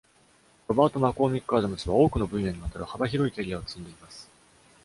ロバート・マコーミック・アダムスは、多くの分野にわたる幅広いキャリアを積んでいます。